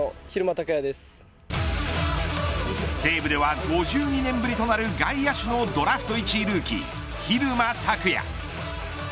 西武では５２年ぶりとなる外野手のドラフト１位ルーキー蛭間拓哉。